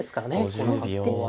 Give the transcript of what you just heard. この格好は。